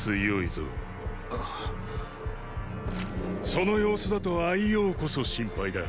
その様子だと王こそ心配だ。